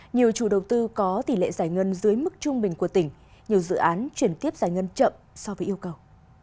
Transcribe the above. nhiều chủ đầu tư có tỷ lệ giải ngân dưới mức trung bình của tỉnh nhiều dự án chuyển tiếp giải ngân chậm so với yêu cầu